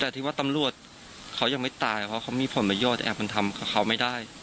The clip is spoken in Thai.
แต่ที่ว่าตำรวจเขายังไม่ตายเพราะเขามีผลประโยชน์แอบมันทำกับเขาไม่ได้